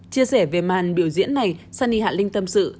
chia sẻ về màn biểu diễn này sunny hạ linh tâm sự